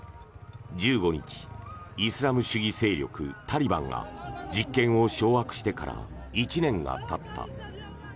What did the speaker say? １５日イスラム主義勢力タリバンが実権を掌握してから１年がたった。